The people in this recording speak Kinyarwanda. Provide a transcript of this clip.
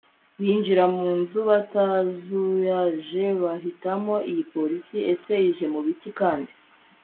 binjira munzu batazuyaje batiHm Iyi police se ije mu biki kandi